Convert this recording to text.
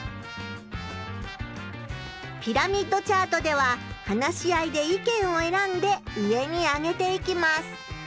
ピラミッドチャートでは話し合いで意見をえらんで上にあげていきます。